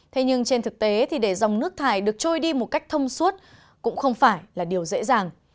thế nhưng trên thực tế thì để dòng nước thải được trôi đi một cách thông suốt cũng không phải là điều dễ dàng